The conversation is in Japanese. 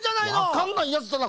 わかんないやつだな。